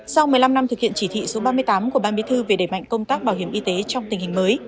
sau một mươi năm năm thực hiện chỉ thị số ba mươi tám của ban bí thư về đẩy mạnh công tác bảo hiểm y tế trong tình hình mới